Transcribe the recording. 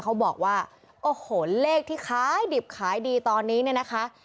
เขาบอกว่าโอ้โหเลขที่ขายดิบขายดีตอนนี้เนี่ยนะคะ